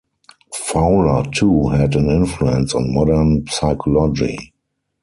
Fowler too had an influence on modern psychology.